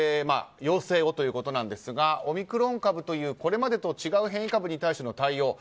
要請をということですがオミクロン株というこれまでと違う変異株に対しての対応